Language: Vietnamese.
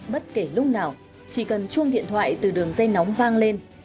bất kể lúc nào chỉ cần chuông điện thoại từ đường dây nóng vang lên